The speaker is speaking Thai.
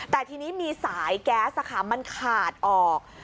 แต่ทีนี้มีสายแก๊สมันขาดออก